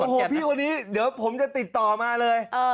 โอ้โหพี่คนนี้เดี๋ยวผมจะติดต่อมาเลย